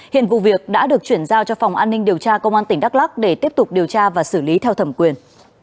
hiện vụ việc đã được chuyển giao cho phòng an ninh điều tra công an tỉnh đắk lắc để tiếp tục điều tra và xử lý theo thẩm quyền